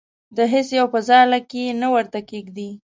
د هیڅ یو په ځاله کې یې نه ورته کېږدي.